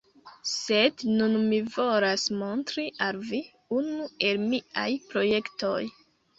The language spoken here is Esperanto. Sed nun mi volas montri al vi unu el miaj projektoj.